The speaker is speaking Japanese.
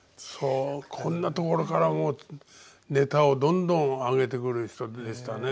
こんなところからもネタをどんどん上げてくる人でしたね。